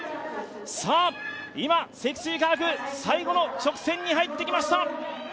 さあ、今、積水化学、最後の直線に入ってきました。